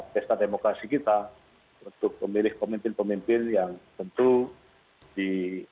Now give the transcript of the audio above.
pesta demokrasi kita untuk memilih pemimpin pemimpin yang tentu di